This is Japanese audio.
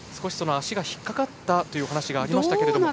足が引っかかったというお話がありましたけれども。